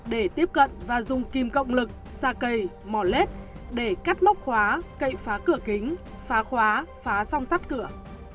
để tiếp cận và dùng kim cộng lực xa cây mò lét để cắt móc khóa cậy phá cửa kính phá khóa phá song sắt cửa